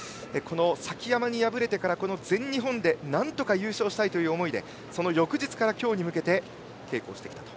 崎山に敗れてから全日本でなんとか優勝したいという思いでその翌日から今日に向けて稽古をしてきたと。